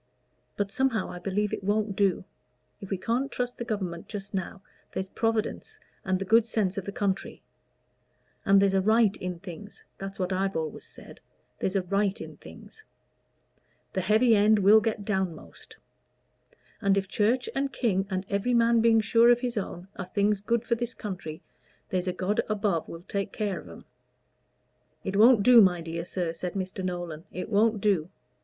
But somehow, I believe it won't do: if we can't trust the Government just now, there's Providence and the good sense of the country; and there's a right in things that's what I've always said there's a right in things. The heavy end will get downmost. And if Church and King, and every man being sure of his own, are things good for this country, there's a God above will take care of 'em." "It won't do, my dear sir," said Mr. Nolan "It won't do.